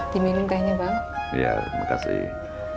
di miliknya banget ya terima kasih